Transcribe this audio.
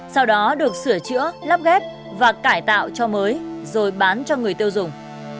sau đó được sửa chữa lắp ghép và cải tạo cho mới rồi bán cho người tiêu dùng